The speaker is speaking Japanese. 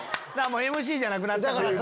もうＭＣじゃなくなったから。